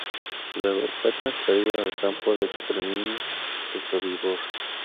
Luego, fue transferido al campo de exterminio de Sobibor.